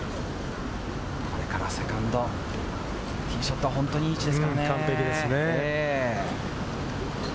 これからセカンド、ティーショットは本当にいい位置ですからね。